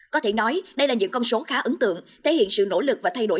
có thể nói đây là những con số khá ấn tượng thể hiện sự nỗ lực và thay đổi